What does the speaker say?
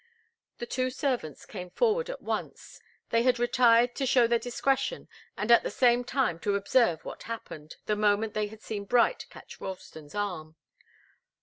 The two servants came forward at once. They had retired to show their discretion and at the same time to observe what happened, the moment they had seen Bright catch Ralston's arm.